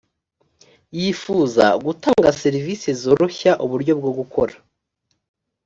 yifuza gutanga serivisi zoroshya uburyo bwo gukora